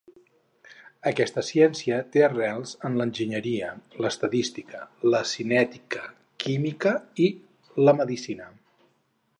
Aquesta ciència té arrels en l'enginyeria, l'estadística, la cinètica química i la medicina.